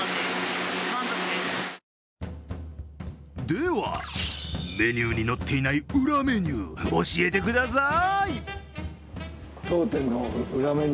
では、メニュー載っていない裏メニュー、教えてください。